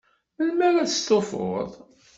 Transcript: Melmi ara testufuḍ?